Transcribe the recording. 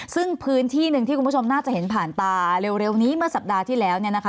ซึ่งพื้นที่หนึ่งที่คุณผู้ชมน่าจะเห็นผ่านตาเร็วนี้เมื่อสัปดาห์ที่แล้ว